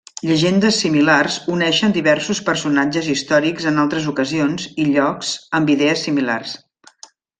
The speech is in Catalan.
Llegendes similars uneixen diversos personatges històrics en altres ocasions i llocs amb idees similars.